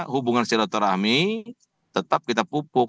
hubungan silaturahmi tetap kita pupuk